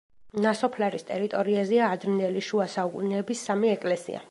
ნასოფლარის ტერიტორიაზეა ადრინდელი შუა საუკუნეების სამი ეკლესია.